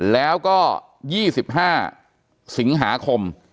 แล้วก็๒๕สิงหาคม